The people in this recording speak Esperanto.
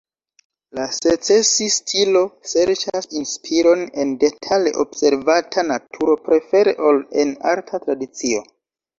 La "Secesi-stilo" serĉas inspiron en detale observata naturo, prefere ol en arta tradicio.